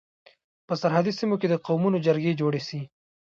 په سرحدي سيمو کي د قومونو جرګي جوړي سي.